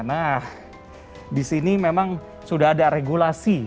nah di sini memang sudah ada regulasi